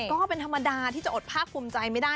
ก็เป็นธรรมดาที่จะอดภาคภูมิใจไม่ได้